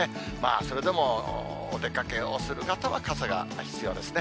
それでもお出かけをする方は傘が必要ですね。